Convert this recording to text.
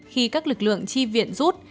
khi các lực lượng chi viện rút